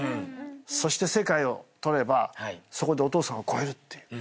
そして世界を取ればそこでお父さんを超えるっていう。